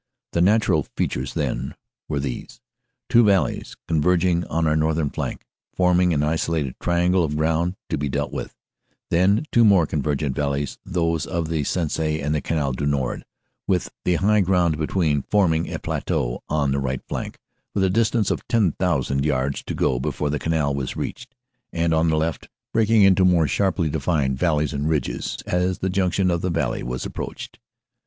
"The natural features, then, were these: Two valleys con verging on our northern flank, forming an isolated triangle of ground to be dealt with; then two more convergent valleys, those of the Sensee and the Canal du Nord, with the high ground between, forming a plateau on the right flank, with a distance of 10,000 yards to go before the canal was reached, and on the left breaking into more sharply defined valleys and ridges as the junction of the valley was approached.